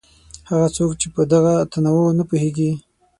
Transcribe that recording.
هغه څوک چې په دغه تنوع نه پوهېږي.